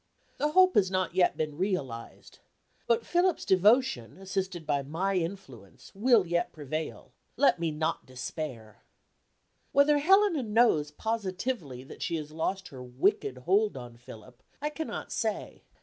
The hope has not yet been realized. But Philip's devotion, assisted by my influence, will yet prevail. Let me not despair. Whether Helena knows positively that she has lost her wicked hold on Philip I cannot say.